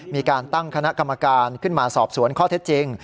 มีการตั้งคณะกรรมการขึ้นมาสอบสวนข้อเท็จจริง